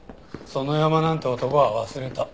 園山なんて男は忘れた。